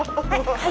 はい。